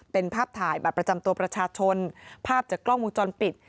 เป็นภาพถ่ายบัตรประจำตัวประชาชนภาพจากกล้องวงจรปิด